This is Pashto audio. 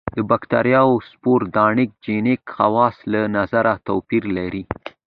د باکتریاوو سپور د انټي جېنیک خواصو له نظره توپیر لري.